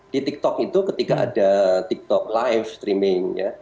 di tiktok itu ketika ada tiktok live streaming